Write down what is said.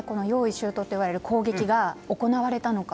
周到といわれる攻撃が行われたのか。